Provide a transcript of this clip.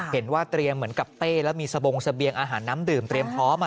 เห็นว่าเตรียมเหมือนกับเต้แล้วมีสบงเสบียงอาหารน้ำดื่มเตรียมพร้อม